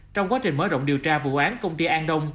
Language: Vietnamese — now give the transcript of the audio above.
trong quá trình mở rộng điều tra vụ án công ty an đông